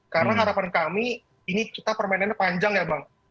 karena harapan kami ini kita permainannya panjang ya bang